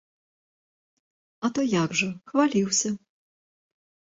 А то як жа, хваліўся.